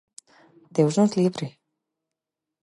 Deus nos libre!